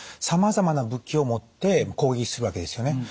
さまざまな武器を持って攻撃するわけですよね。